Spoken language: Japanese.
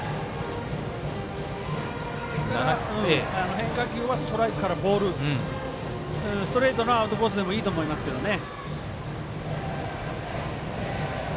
変化球は、ストライクからボールストレートがアウトコースでもいいと思いますけどね。